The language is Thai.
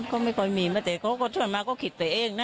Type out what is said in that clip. ก็ไม่ค่อยมีแม้แต่เขาก็ช่วยมาก็คิดไปเองนะ